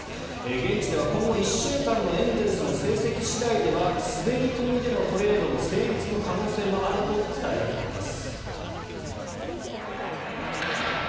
現地では今後１週間のエンゼルスの成績次第では滑り込みでのトレードの成立の可能性もあると伝えられています。